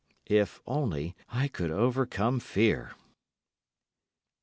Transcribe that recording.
If only I could overcome fear!